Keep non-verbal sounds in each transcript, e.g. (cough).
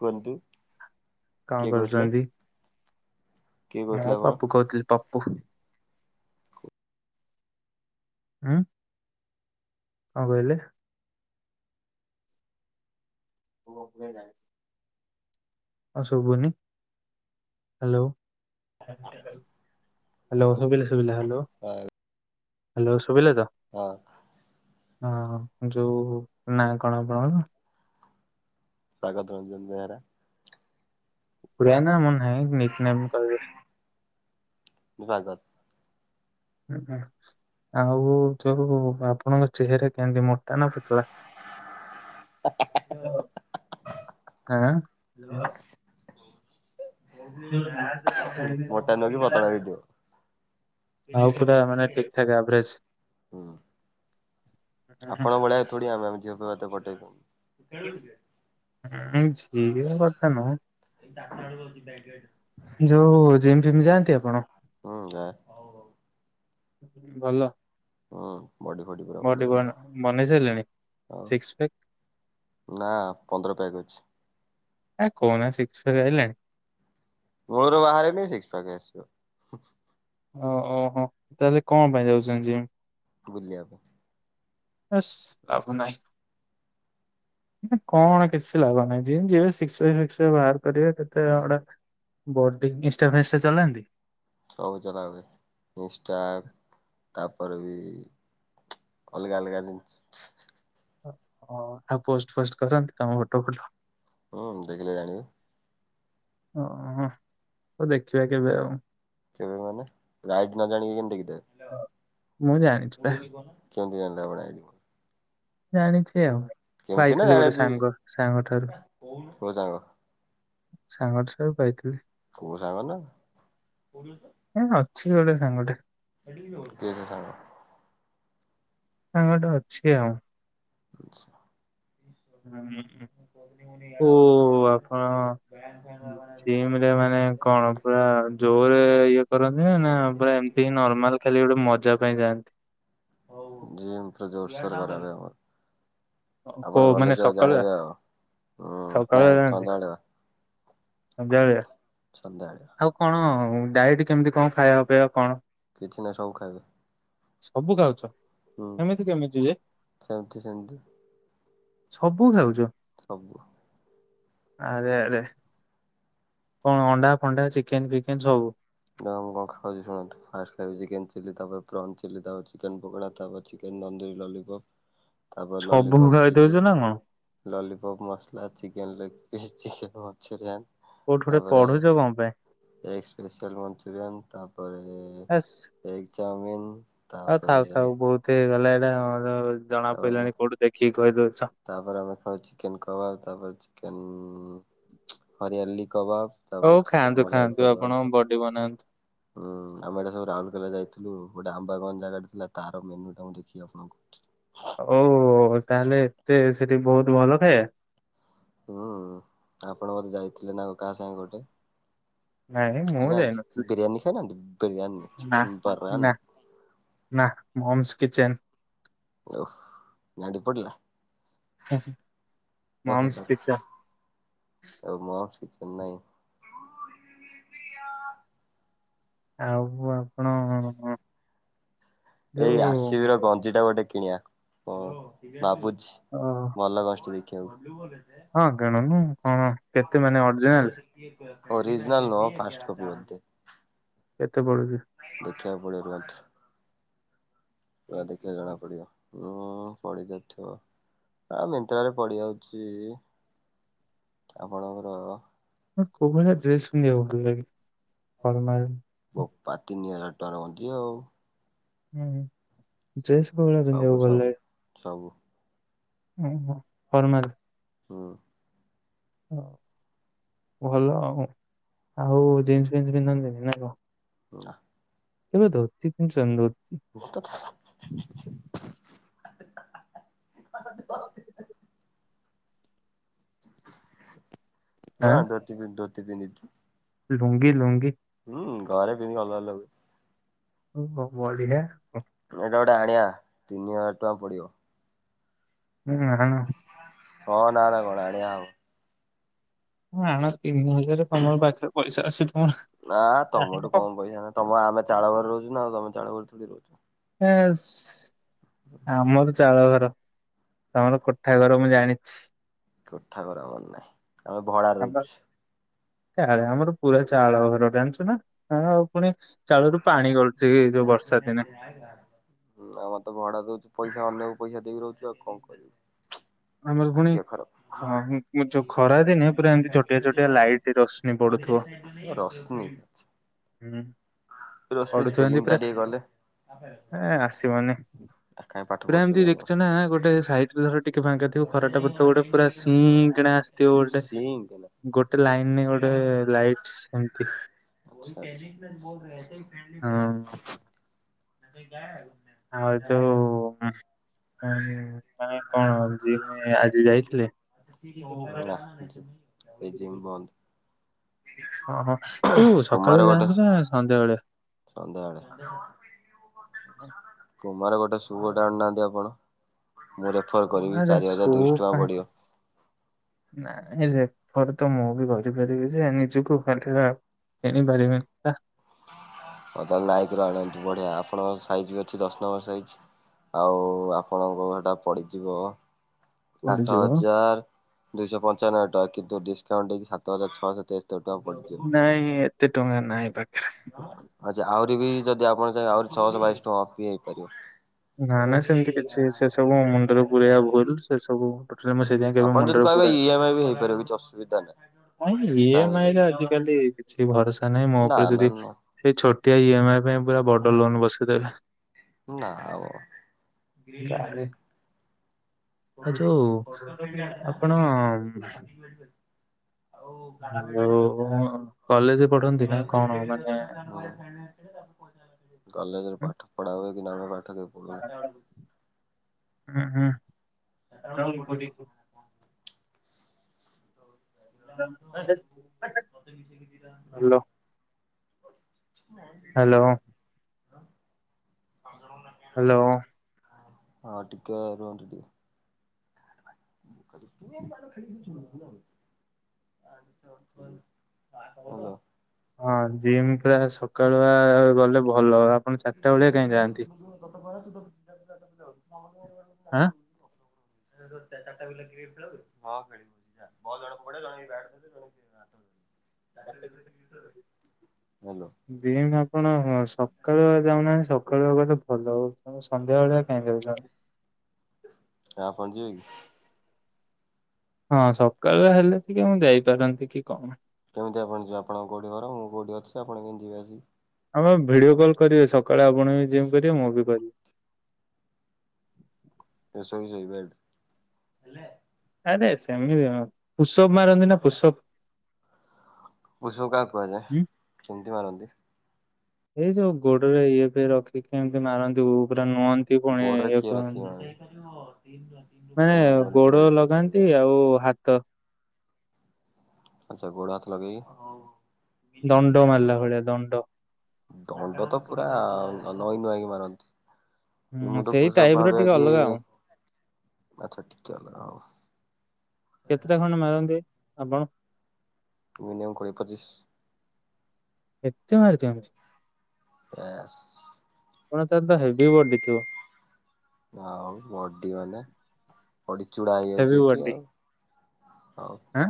କୁହନ୍ତୁ କଣ କିଏ କହୁଥିଲେ କରୁଚନ୍ତି କିଏ ମୁଁ କହୁଥିଲେ ଆପଣ ପାପୁ କହୁଥିଲି ପାପୁ। ଉଁ କଁ କହିଲେ? (unintelligible) ହଁ ଶୁଭୁନି ହାଲୋ ହାଲୋ ଶୁଭିଲା ଶୁଭିଲା ହାଲୋ। ହାଲୋ ଶୁଭିଲା ତ? ହଁ। ହଁ ହଁ ଯୋଉ ନା କଣ ଆପଣଙ୍କର? ସ୍ୱାଗତ ରଞ୍ଜନ ବେହେରା। ପୁରା ନା ମନେ ନାହିଁ ନିକ୍ ନେମ୍ କହିବେ। ବାଦଲ୍। (unintelligible) ଆଉ ଯୋଉ ଆପଣଙ୍କ ଚେହେରା କେମତି ମୋଟା ନା ପତଳା। (inaudible) ଆଁ ହାଲୋ (unintelligible) ମୋଟା ନୁହଁ କି ପତଳା ବି ନୁହଁ ଆଉ ପୁରା ମାନେ ଠିକଠାକ ଆଭରେଜ୍। ହୁଁ ଆପଣଙ୍କ ଭଳିଆ ଥୋଡି ଆମେ ଏମିତି ହବୁ। ହବ ତ ପଠେଇବୁ। ସିଏ କଥା ନ ହଉ, ଯୋଉ ଯେମି ଜିମ୍ ଯାଆନ ହୁଁ ଯାଏ। ଭଲ ହୁଁ। ବଡି ଫଡି ପୁରା ବଡି ବନ ବନେଇ, ବନେଇ ସାରିଲେଣି ଆଉ ସିକ୍ସ ପ୍ୟାକ୍ ନା ପନ୍ଦର ପ୍ୟାକ୍ ଅଛି। ଆଉ ଶିକ୍ସ ପ୍ୟାକ ଆଇଲାଣି? ମୁଳୁରୁ ବାହାରିନି ସିକ୍ସ ପ୍ୟାକ୍ ଆସିବ। ଓ ଓହୋ ତାହେଲେ କଣ ପାଇଁ ଯାଉଛନ୍ତି ଜିମ୍? ବୁଲିବାକୁ। ହେସ୍ ଲାଭ ନାହିଁ, କଣ କିଛି ଲାଭ ନାହିଁ ଜିମ୍ ଯିବେ ସିକ୍ସ ପ୍ୟାକ୍ ଫିକ୍ସ ପ୍ୟାକ୍ସ ବାହାର ପରିିବା କେତେ ହୁଁ ଆଉଡା ବଡି ଇଷ୍ଟା ଫିଷ୍ଟା ଚଲାନ୍ତି? ସବୁ ଚଲାବେ ଇଂଷ୍ଟା ତାପରେ ବି ଅଲଗା ଅଲଗା ଜିନ୍ସ୍ ଓ- ଓ ଆଉ ପୋଷ୍ଟ ଫୋଷ୍ଟ କରନ୍ତି ତମ ଫଟୋ ଫଟୋ? ହୁଁ ଦେଖିଲେ ଜାଣିବେ। ଉ ହୁଁ ହଉ ଦେଖିବା କେବେ ଆଉ। କେବେ ମାନେ ରାଇଟ୍ ନ ଜାଣିକିନି ଦେଖିଦେବେ, ମୁଁ ଜାଣିଛି ପା କେମତି ଜାଣିଲେ। (inaudible) ଜାଣିଛି ଆଉ, କେମିତି ନା ପାଇଥିଲି ଗୋଟେ ଜାଣିଛି ସାଙ୍ଗ ସାଙ୍ଗ ଠାରୁ। କୋଉ ସାଙ୍ଗ ସାଙ୍ଗ ଠାରୁ ପାଇଥିଲି। କୋଉ ସାଙ୍ଗ ନା? ଏ ଅଛି ଗୋଟେ ସାଙ୍ଗଟେ। କିଏ ସେ ସାଙ୍ଗ? ସାଙ୍ଗଟେ ଅଛି ଆଉ। ଆଚ୍ଛା। ହଁ ଓ ଆପଣ ଜିମରେ ମାନେ କଣ ପୁରା ଜୋରରେ ଇଏ କରନ୍ତି ନା ନା ପୁରା ଏମିତି ହି ନର୍ମାଲ ଖାଲି ଗୋଟେ ମଜା ପାଇଁ ଯାଆନ୍ତି ଜିମ୍ ପୁରା ଜୋରଶୋର କରାଯାଏ ଆମର। ଆପଣ କୋଉ ଗଲେ ମାନେ କେବେ ସକାଳୁଆ, ଜାଣିବେ ଆଉ ହୁଁ ସକାଳୁ ନାଇଁ ଯାଆନ୍ତି ସନ୍ଧ୍ୟାବେଳେ ବା ସଂଧ୍ୟା ବେଳିଆ। ସନ୍ଧ୍ୟାବେଳେ ବା। ଆଉ କଣ ଡାଇଟି କେମିତି କଣ ଖାଇବା ପିଆ କଣ? କିଛି ନାହିଁ ସବୁ ଖାଇବ। ସବୁ ଖାଉଛ। ହୁଁ ଏମିତି କେମିତି ଯେ ସେମିତି ସେମିତି। ସବୁ ଖାଉଛ। ସବୁ ଆରେ ଆରେ କଣ ଅଣ୍ଡା ଫଣ୍ଡା ଚିକେନ ଫିକେନ ସବୁ ଆଉ କଣ ଖାଉଛି ଶୁୁଣନ୍ତୁ ଫାଷ୍ଟ ଖାଉଛି ଚିକେନ ଚିଲି ତାପରେ ପ୍ରନ ଚିଲି ତାପରେ ଚିକେନ ପକୋଡା ତାପରେ ଚିକେନ ତନ୍ଦୁରୀ ଲଲିପପ୍। ତାପରେ ସବୁ ଲଲିପପ୍ ଚିଲି ଖାଇଦଉଛ ନା କଣ? Lollipop masala chicken leg piece chicken Manchurian. କୋଉଠୁ ଗୋଟେ ତାପରେ ପଢୁଛ କଣ ପାଇଁ? ମଞ୍ଚୁରିୟାନ୍ ତାପରେ ଆସ୍ ଏଗ୍ ଚାଉମିନ ତାପରେ ହେଇଗଲେ ଏଟା ତାପରେ ତାପରେ ଆମେ ଖାଉ ଚିକେନ କବାବ୍ ତାପରେ ଚିକେନ। ହରିଆଲି। କବାବ୍ ହଉ ତାପରେ ଖାଆନ୍ତୁ ଚିକେନ ମଲାୟି ଖାଆନ୍ତୁ କବାବ୍ ଆପଣଙ୍କ ବଡି ବନାନ୍ତୁ। ଆମେ ଏଇଟା ସବୁ ରାଉରକେଲା ଯାଇଥିଲୁ ଗୋଟେ ଆମ୍ବାଗନ ଜାଗା ଥିଲା ତାର ମେନୁ ଟା ଦେଖି ଆପଣଙ୍କୁ କହୁଛି। ଓ ତାହେଲେ ଏତେ ସେଠି ବହୁତ ଭଲ ଥାଏ। ହୁଁ ଆପଣ ବୋଧେ ଯାଇଥିଲେ ନା କାହା ସାଙ୍ଗେ ଗୋଟେ ନାଇଁ ମୁଁ ଖାଇନାହାନ୍ତି? ବିରିୟାନୀ ଖାଇନାହାନ୍ତି ବିରିୟାନୀ ଯାଇନଥିଲି ନା ଚିକେନ ବରାନ ନା ନା। କିଚେନ୍। ଓ ଗାଣ୍ଡି ପୋଡିଲା। Mom's sorry kitchen. ଓ ମମସ୍ କିଚେନ ନାଇଁ। ଆଉ। ଣ ହଁ ହଁ। ଏଇ ଆରସିବି ର ଗଞ୍ଜି ଟା ଗୋଟେ କିଣିବା। ହ ଭାବୁଛି। ଅ ଭଲ କଷ୍ଟଲି। କେ ବି ବ ହଁ ଗଣନୁ। ହଁ କେତେ ମାନେ ଅରିଜିନାଲ? ଓରିଜିନଲ ନ ଫାଷ୍ଟ କପି। କେତେ ପଡୁଛି? ଦେଖିବାକୁ ପଡିବ। ପା ଦେଖିଲେ ଜଣା ପଡିବ ଉୁଁ ପଡି ଯାଉଥିବ ଆ ମନ୍ତ୍ରରେ ପଡି ଯାଉଛି (unintelligible) ଆପଣଙ୍କର? କୋଉ ଭଳିଆ ଡ୍ରେସ ପିନ୍ଧିବାକୁ ଭଲ ଲାଗେ? ପ ପା ତିନି ହଜ (unintelligible) ଟନ୍ତିିଉ (inaudible) ହୁଁ ହ ଡ୍ରେସ୍ କୋଉ ଭଳିଆ ପିନ୍ଧିବା ସବୁ କୁ ଭଲ ସବୁ ଲାଗେ? ସବୁ ଉ ହୁଁ ଫର୍ମାଲ। ହୁଁ। ହ ଭଲ ହ ଆଉ ଜିନ୍ସ ଫିନ୍ସ ପିନ୍ଧନ୍ତିନି ନାଇଁ କଣ? ନା। କେବେ ଧୋତି ପିନ୍ଧିଛନ୍ତି ଧୋ (unintelligible) (unintelligible) ହଁ ଆଁ ଧୋତି ପିନ୍ଧୁ (inaudible) ଲୁଙ୍ଗି ଲୁଙ୍ଗି ହୁଁ ଘରେ ପିନ୍ଧିଲେ ଅଲଗା ଲାଗେ। ଓ ହ ବଢିଆ ଏଇଟା ଗୋଟେ ଆଣିବା ତିନି ହଜାର ଟଙ୍କା ପଡିବ। ହୁଁ ହଁ। ହଁ ନା ନା କଣ ଆଣିବା ଆଉ? ହଁ ଆଣ ତିନି ହ (unintelligible) (inaudible) ନା ତମଠୁ କଣ ପଇସା ନାହିଁ ତମ ଆମେ ଚାଳ ଘରେ ରହୁଛୁ ନା ତମେ (unintelligible) ରହୁଛ। ଏସ୍ ଆମର ଚାଳ ଘର ତମର କୋଠା ଘର ମୁଁ ଜାଣିଛି। କୋଠା ଘର ଆମର ନାହିଁ। ଆମେ ଭଡାରେ ରହୁଛୁ। କାଳେ ଆମର ପୁରା ଚାଳ ଘର ଜାଣିଛୁ ନା ଆ ବର୍ଷା ଦିନେ ଆମେ ତ ଭଡା ଦଉଛୁ ପଇସା ଅନ୍ୟକୁ ପଇସା ଦେଇକି ରହୁଛୁ। କଣ କରିବୁ? ଆମର ପୁଣି ଭାଗ୍ୟ ଖରାପ। ଖ ଏ ଯୋଉ ଖରା ଦିନେ ପୁରା ଏମିତି ଛୋଟିଆ ଛୋଟିଆ ଲାଇଟ ରଶ୍ମି ପଡୁଥିବ ରଶ୍ମି ହୁଁ। ରଶ୍ମି ପଢୁଛନ୍ତି ସ୍ପେଲିଂ ଟା ପୁରା ଟିକେ କଲେ ଏ ଆସିବନି କାହିଁ ପାଠ ପୁରା ପଢୁଛନ୍ତି ଏମତି ଆପଣ। ଦେଖିଛ ନା ଗୋଟେ ସାଇଟରେ ଧର ଟି ଫାଙ୍କାଥିବ ଖରାଟା ପଡୁଥିବ ଗୋଟେ ପୁରା ସି-ଇ-ଇ-ଇ କିନା ଆସିଥିବ ଗୋଟେ ସିଂ ଗୋଟେ ଲାଇନ ରେ ଗୋଟେ-ଏ-ଏ-ଏ ଲାଇଟ ସେମତି ଆଚ୍ଛା (inaudible) (inaudible) ଆଉ ଯୋଉ-ଉ-ଉ-ଉ ହେ କଣ ଯିମି ଆଜି ଯାଇକି ନା ସେ ଜିମ ବନ୍ଦ। ହଁ ହଁ ତୁ ସକାଳୁ ଯାଉଛୁ ନା ସନ୍ଧ୍ୟାବେଳେ। ସନ୍ଧ୍ୟା ବେଳେ। (unintelligible) ମୋର ଗୋଟେ ସୁ ଗୋଟେ ଆଣୁନାହାନ୍ତି ଆପଣ। ମୁଁ ରେଫର କରିବି ଚାରି ହଜାର ଦୁଇଶ ଟଙ୍କା ପଡିବ। ରେଫର ତ ମୁଁ ବି କରିପାରିବି ଯେ ନିଜକୁ ହେଲେ କିଣି ପାରିବିନି। ହ ତାହେଲେ ନାଇକି ରୁ ଆଣନ୍ତୁ ବଢିଆ ଆପଣଙ୍କ ସାଇଜ ବି ଅଛି ଦଶ ନମ୍ବର ସାଇଜ ଆଉ ଆପଣଙ୍କ ସେଟା ପଡିଯିବ ପଢୁଛି ଆଠ ହଜାର ଦୁଇଶହ ପ ପଞ୍ଚାନବେ ଟଙ୍କା କିନ୍ତୁ ଡିସକାଉଣ୍ଟ ଦେଇକି ସାତ ହଜାର ଛଅଶହ ପଡିଜିବ। ନାଇଁ ଏତେ ଟଙ୍କା ନାହିଁ ପାଖରେ। ଆଛା ଆହୁରି ବି ଯଦି ଆପଣ ଆହୁରି ଛଅଶହ ବାଇଶ ଟଙ୍କାଅଫ ଵି ହେଇପାରିବ। ନା ନା ସେମିତି କିଛି ସେ ସବୁ ମୁଣ୍ଡରେ ପୁରେଆ ଭୁଲ ସେ ସବୁ ଟୋଟାଲି ମୁଁ ସେଇଥିପାଇଁ କେବେ ଆପଣ ଯଦି କହିବେ ଇ ଏମ ଆଇ ବି ହେଇପାରିବ କିଛି ଅସୁବିଧା ନାହିଁ। ନାଇଁ ଇ ଏମ ଚାହିଁବେ ଆଇ ଯଦି। ରେ ଆଜିିକାଲି କିଛି ଭରସା ନାଇଁ ମୋ ନା ଉପରେ ନା ଯଦି ନା ସେଇ ଛୋଟିଆ ଇ ଏମ ଆଇ ପାଇଁ ପୁରା ବଡ ଲୋନ୍ ବସେଇଦେବେ। ନା ଆଉ। (inaudible) କାଳେ ଆଉ ଯୋଉ (inaudible) ହଁ ଆପଣ ଯୋଉ କଲେଜ ପଢନ୍ତି ନା କଣ ମାନେ କଲେଜ ରେ ପାଠ ପଢା ହୁଏ (unintelligible) ହୁଁ ହୁଁ। (inaudible) ହଲୋ। (inaudible) ହ୍ୟାଲୋ। ହାଲୋ। ହଁ ଟିକେ ରୁହନ୍ତୁ ଟି (unintelligible) ହଁ ଜିମ୍ ପୁରା ସକାଳୁଆ ଗଲେ ଭଲ। ଆପଣ ଚାରିଟା ବଳିଆ କାଇଁ ଯାଆନ୍ତି? ଆଁ? (unintelligible) (unintelligible) (unintelligible) (inaudible) ହ୍ୟାଲୋ (unintelligible) ଆପଣ ସକାଳୁ ଯାଉନାହାନ୍ତି ସକ କହିଆକୁ ଗଲେ ଭଲ ଆଉ। ହଁ ପଞ୍ଜି ଭାଇ। ହଁ ସକାଳ ହେଲେ ଟିକେ ମୁଁ ଯାଇପାରନ୍ତି କି କଣ? କେମିତି ଆପଣ ଯିବେ ଆପଣ କୋଉଠି ଘର? ମୁଁ କୋଉଠି ଅଛି ଆପଣ କେମିତି ଯିବେ ଆସି? ଆମେ ଭିଡିଓ କଲ କରିବେ ସକାଳେ ଆପଣ ବି ଜିମ୍ କରିବେ ମୁଁ ବି କରିବି। (unintelligible) ଆରେ ସେମିତି କିଛି ନୁହଁ। ପୁଷପ ମାରନ୍ତି ନା ପୁଷପ। ପୁଶବ୍ କାହାକୁ କୁହାଯାଏ? କେମତି ମାରନ୍ତି? ଏଇ ଯୋଉ ଗୋଡରେ ଇଏ (unintelligible) କେମିତି ମାରନ୍ତି ପୁରା ନୁହନ୍ତି ପୁଣି ଗୋଡରେ ଇଏ କିଏ କର ରଖିନାହାନ୍ତି ମାନେ କେମିତି ପୁରା ଗୋଡ ଡିଟେଲସ ସବୁ ଲଗାନ୍ତି ଜାଣିଛୁ। ଆଉ ହାତ ଆଛା ଗୋଡ଼ ହାଥ ଲଗେଇ ଦଣ୍ଡ ମାରିଲା ଭଳିଆ ଦଣ୍ଡ। ଦଣ୍ଡ ତ ପୁରା ନଇଁ ନୂଆଁକି ମାରନ୍ତି। ହୁଁ ମୁଁ ତ ସେଇ ପୁଷପ ଟାଇପ ର ଭାବେ ଟିକେ କି ଅଲଗା ଆଉ ଆଚ୍ଛା ଟିକେ ଅଲଗା ହଉ କେତେଟା ଖଣ୍ଡେ ମାରନ୍ତି? (unintelligible) ମିନିୟମ କୋଡ଼ିଏ ପଚିଶ ଏତେ ମାରିଛ ବାସ୍। (unintelligible) ଅତ୍ୟନ୍ତ ହେଭି ବଡି ଥିବ। ଆଉ ବଡି ମାନେ ପଡ଼ି ଚୂଡା ହେଭି ହେଇଯାଉଛି ଏଠି ବଡି ଆଉ। ହଉ। ଆଁ।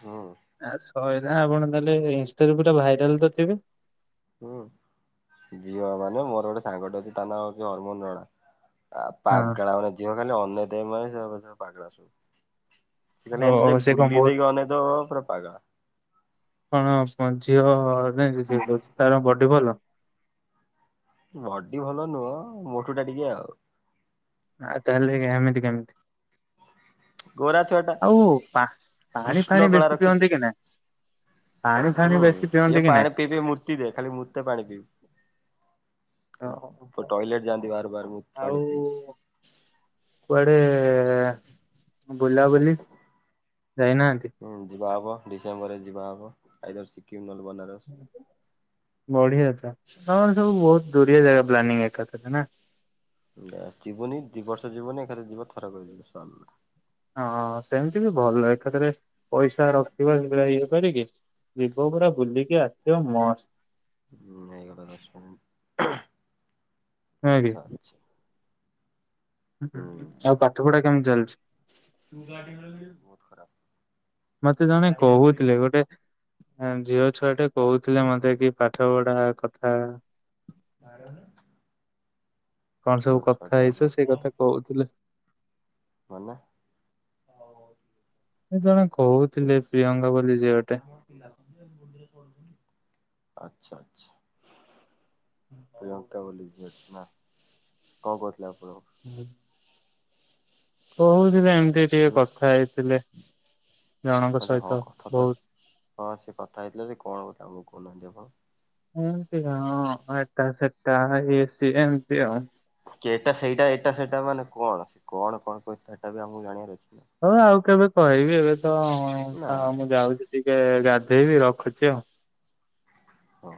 ହଁ। ଆ ସଇଲା ଆପଣ ତାହେଲେ ଇନଷ୍ଟା ପୁରା ଭାଇରାଲ ତ ଥିବେ। ହୁଁ ଝିଅ ମାନେ ମୋର ଗୋଟେ ସାଙ୍ଗଟେ ଅଛି ତା ନାଁ ଅଛି ହରମୋନ ରଣା। ଆଉ ପାଗଳା ମାନେ ଝିଅ ଖାଲି ଅନେଇ ଥିବେ ମାନେ ସେଗୁରା ସବୁ ପାଗେଳା ସବୁ। ସେ କାଲି ଏମିତି ଯା ସେ କଣ ବୁଲି ଦେଇକି ଅନେଇ ଦବ ପୁରା ପାଗେଳା। ମଁ ଝିଅ ନାଇଁ ଝିଅ କହୁଛି ତାର ବଡି ଭଲ। ବଡି ଭଲ ନୁହଁ ମୋଟୁ ଟା ଟିକେ ଆଉ। ଆଉ ତାହେଲେ ଏମିତି କେମିତି? ଗୋରା ଛୁଆ ଟା ଆଉ ପା ପାଣି କୃଷ୍ଣ ଫାଣି କଳା ବେଶୀ ରଖିଛି। ପିଅନ୍ତି କି ନାଇଁ? ହୁଁ ସିଏ ପାଣି ପିଇି ମୂର୍ତ୍ତି ଦେ ଖାଲି ପାଣି ପିଇବ। ଓ ଯାଆନ୍ତି ବାର ବାର ମୁଁ ଆଉ ପାଣି ପିଇ କୁଆଡେ ବୁଲା ବୁଲି। ହୁଁ ଯିବାବ। ଡିସେମ୍ବର ରେ ଯିବା ହବ ଆଇଦର୍ ସିକିମ୍ ନହ। ବଢିଆ। ତର ସବୁ ବହୁତ ଦୂରିଆ ଜାଗା ପ୍ଲାନିଂ ଏକ ନା। ଜୀବନୀ ଦୁଇ ବର୍ଷ ଜୀନ ଏ ଏକା ଯିବିବା ଥରା କରି ଯିବ ସରିଲା। ହଁ ସେମିତି ବି ଭଲ ଏକାଥରେ ପଇସା ରଖିବ ସୋ ଇଏ କରିକି। ଭିବ ପୁରା ବୁଲିକି ଅଛି। ମସ୍ତ। ହୁଁ ହେଇଗଲା ଦଶ ମିନିଟ୍ ନୁହେଁ କି? ଆଛା ଆଛା। ଆଉ ପାଠପଢା କେମିତି ଚାଲିଛି? (unintelligible) ମତେ ଜଣେ କହୁଥିଲେ ଗୋଟେ। ହ ଝିଅ ଛୁଆ ଟା। କହୁଥିଲେ ମତେ କି ପାଠ ପଢା କଥା। (inaudible) କଣ ସବୁ ପ୍ରିୟ ଛୁଆଟେ କଥା ଆପଣ ହେଇଛ ସେଇ କଥା କହୁଥିଲେ। ମାନେ ଜଣେ ବୁଝ କହୁଥିଲେ ପ୍ରିୟଙ୍କା ବୋଲି ଯିଅଟେ। ଆଛା ଆଚ୍ଛା। ପ୍ରିୟଙ୍କା ବୋଲି ଝିଅ ଟେ ନା କଣ କହୁଥିଲେ ଆପଣଙ୍କୁ? (inaudible) କହୁଥିଲା ଏମତି ଟିକେ କଥା ହେଇଥିଲେ। ଜଣଙ୍କ ଆଛା ହଁ ସହିତ କଥା ତ ବହୁତ ହଁ ସେ କଥା ହେଇଥିଲା। କଣ କଥା ଆମକୁ କହୁନାହାନ୍ତି ଆପଣ? ଏମିତି ହ ଏଟା ସେଟା ଏସି ଏମତି ଆଉ। ଏଟା ସେଇଟା ଏଇଟା ସେଇଟା ମାନେ କଣ ସେ କଣ କଣ କ ସେଇଟା ବି ଆମକୁ ଜାଣାର ଅଛି। ନା। ହଁ ଏ ବି ଏବେ। ତ ନା ମୁଁ ଯାଉଛି ଟିକେ। ଗାଧେଇବି ରଖୁଛି ଆଉ। ଓ।